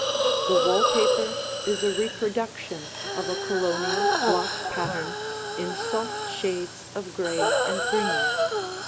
The wall paper is a reproduction of a Colonial block pattern in soft shades of gray and green.